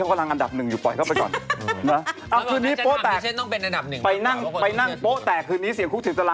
ให้ดูได้ของน้องเจมทร์มาปีนี้เจมทร์มา